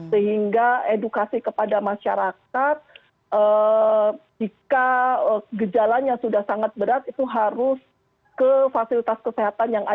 sehingga edukasi kepada masyarakat jika gejalanya sudah sangat berat itu harus ke fasilitas kesehatan yang ada